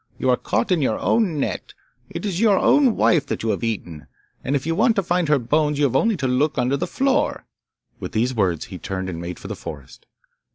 You are caught in your own net. It is your own wife that you have eaten, and if you want to find her bones you have only to look under the floor.' With these words he turned and made for the forest.